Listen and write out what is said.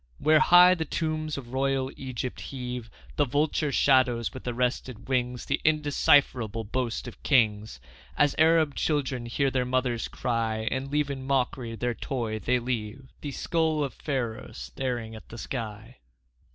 Where high the tombs of royal Egypt heave, The vulture shadows with arrested wings The indecipherable boasts of kings, As Arab children hear their mother's cry And leave in mockery their toy — they leave The skull of Pharaoh staring at the sky.